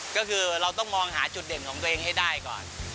ก็คือเราต้องมองหาจุดเด่นของตัวเองให้ได้ก่อน